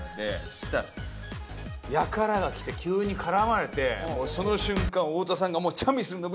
そしたらやからが来て急に絡まれてその瞬間太田さんが。